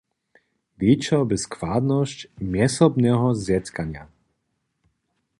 Wječor bě składnosć mjezsobneho zetkanja.